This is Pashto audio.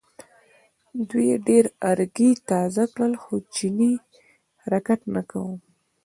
دوی ډېر ارګی تازه کړل خو چیني حرکت نه کاوه.